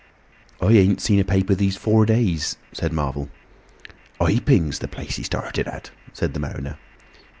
"I ain't seen a paper these four days," said Marvel. "Iping's the place he started at," said the mariner.